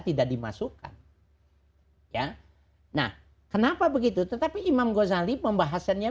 tidak dimasukkan ya nah kenapa begitu tetapi imam gozali pembahasannya